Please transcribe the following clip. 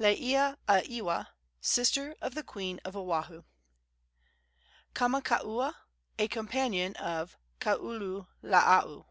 Laiea a Ewa, sister of the queen of Oahu. Kamakaua, a companion of Kaululaau.